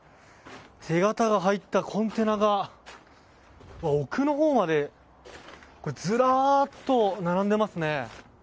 手形が入ったコンテナが奥のほうまでずらっと並んでいますね。